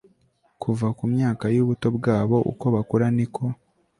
kuva ku myaka yubuto bwabo Uko bakura ni ko